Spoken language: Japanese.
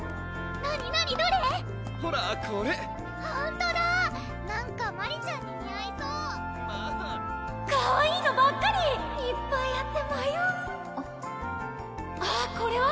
ほらこれほんとだなんかマリちゃんに似合いそうまぁかわいいのばっかりいっぱいあってまようあっこれは？